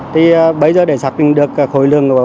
thì bây giờ để xác định khối lương